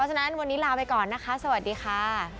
ฉะนั้นวันนี้ลาไปก่อนนะคะสวัสดีค่ะ